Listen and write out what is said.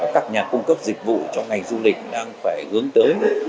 các nhà cung cấp dịch vụ cho ngành du lịch đang phải hướng tới